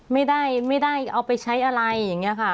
ไม่ได้ไม่ได้เอาไปใช้อะไรอย่างนี้ค่ะ